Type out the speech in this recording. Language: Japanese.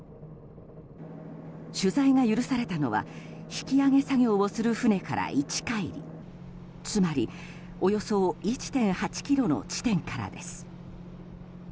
取材が許されたのは引き揚げ作業をする船から１カイリつまり、およそ１．８ｋｍの地点からです。